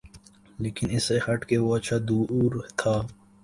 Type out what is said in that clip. لیکن اس سے ہٹ کے وہ اچھا دور تھا۔